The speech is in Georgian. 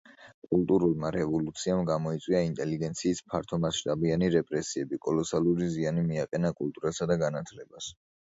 კულტურულმა რევოლუციამ გამოიწვია ინტელიგენციის ფართომასშტაბიანი რეპრესიები, კოლოსალური ზიანი მიაყენა კულტურასა და განათლებას.